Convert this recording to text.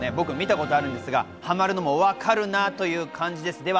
見たことあるんですが、ハマるのもわかるなという感じです。